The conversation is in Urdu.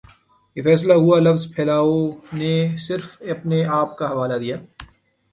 یہ فیصلہ ہوا لفظ پھیلاؤ نے صرف اپنے آپ کا حوالہ دیا